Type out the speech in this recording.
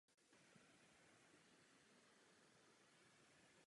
Vypracoval plán vesnického stavení a zajistil veškeré zařízení této stavby.